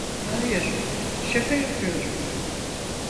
Hayır, şaka yapıyorum.